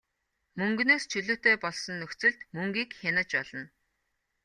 Мөнгөнөөс чөлөөтэй болсон нөхцөлд мөнгийг хянаж болно.